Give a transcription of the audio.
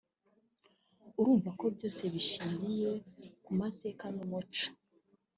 urumva ko byose bishingiye ku mateka n’umuco